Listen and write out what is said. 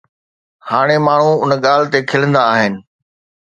هاڻي ماڻهو ان ڳالهه تي کلندا آهن.